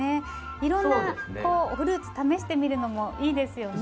いろんなフルーツ試してみるのもいいですよね。